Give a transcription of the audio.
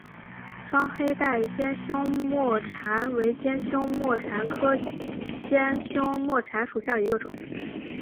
双黑带尖胸沫蝉为尖胸沫蝉科尖胸沫蝉属下的一个种。